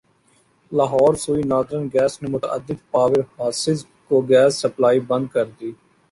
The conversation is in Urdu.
لاہور سوئی ناردرن گیس نے متعدد پاور ہاسز کو گیس سپلائی بند کر دی